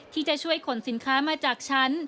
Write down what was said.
ที่จะช่วยขนสินค้ามาจากชั้น